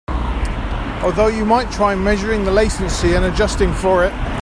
Although you might try measuring the latency and adjusting for it.